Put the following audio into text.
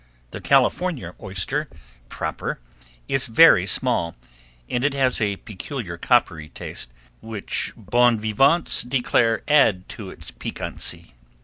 The California oyster proper, is very small, and it has a peculiar coppery taste, which bon vivants declare adds to its piquancy.